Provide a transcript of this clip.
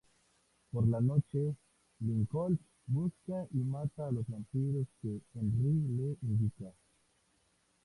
Por la noche, Lincoln busca y mata a los vampiros que Henry le indica.